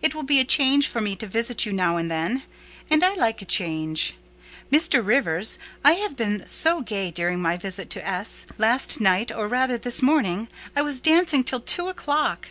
"It will be a change for me to visit you now and then; and I like a change. Mr. Rivers, I have been so gay during my stay at S——. Last night, or rather this morning, I was dancing till two o'clock.